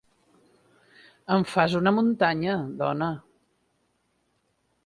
En fas una muntanya, dona.